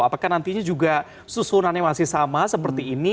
apakah nantinya juga susunannya masih sama seperti ini